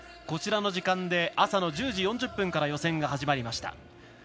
こちらの時間で朝の１０時４０分から予選が始まりました。